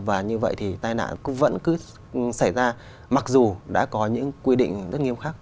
và như vậy thì tai nạn vẫn cứ xảy ra mặc dù đã có những quy định rất nghiêm khắc